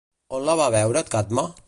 On la va veure Cadme?